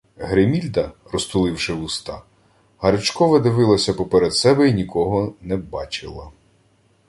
Гримільда, розтуливши вуста, гарячкове дивилася поперед себе й нікого не бачила.